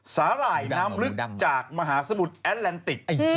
หร่ายน้ำลึกจากมหาสมุทรแอดแลนติก